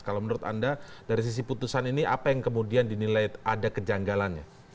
kalau menurut anda dari sisi putusan ini apa yang kemudian dinilai ada kejanggalannya